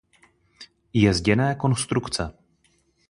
Je zděné konstrukce.